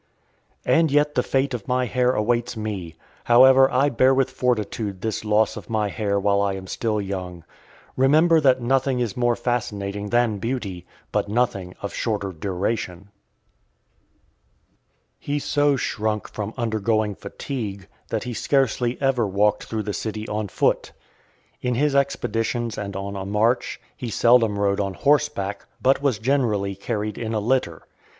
"and yet the fate of my hair awaits me; however, I bear with fortitude this loss of my hair while I am still young. Remember that nothing is more fascinating than beauty, but nothing of shorter duration." XIX. He so shrunk from undergoing fatigue, that he scarcely ever walked through the city on foot. In his (496) expeditions and on a march, he seldom rode on horse back; but was generally carried in a litter.